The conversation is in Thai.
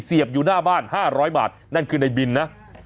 เสียบอยู่หน้าบ้านห้าร้อยบาทนั่นคือในบินนะ